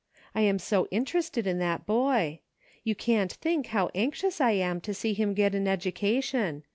I am so interested in that boy. You can't think how anxious I am to see him get an education.